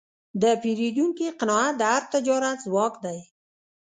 د پیرودونکي قناعت د هر تجارت ځواک دی.